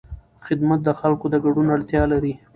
خدمت د خلکو د ګډون اړتیا لري.